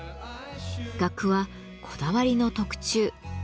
額はこだわりの特注。